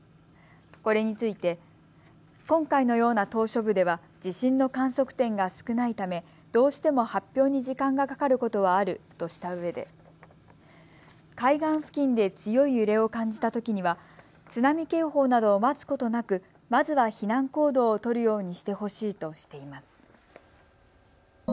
これについて今回のような島しょ部では地震の観測点が少ないためどうしても発表に時間がかかることはあるとしたうえで、海岸付近で強い揺れを感じたときには津波警報などを待つことなくまずは避難行動を取るようにしてほしいとしています。